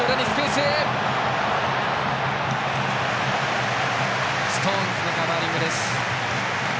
ストーンズのカバーリングです。